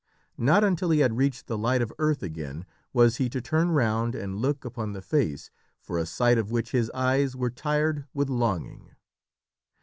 Not until he had reached the light of earth again was he to turn round and look upon the face for a sight of which his eyes were tired with longing.